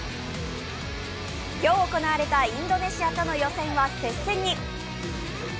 今日、行われたインドネシアとの試合は接戦に。